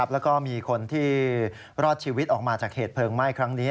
แล้วก็มีคนที่รอดชีวิตออกมาจากเหตุเพลิงไหม้ครั้งนี้